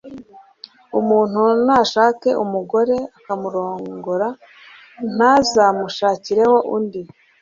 umuntu nashaka umugore, akamurongora ntazamushakireho undi,